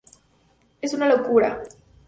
Es una locura".